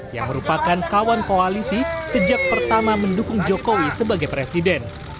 yang merupakan kawan koalisi sejak pertama mendukung jokowi sebagai presiden